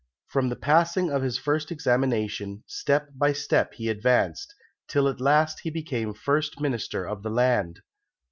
From the passing of his first examination, step by step he advanced, till at last he became First Minister of the land.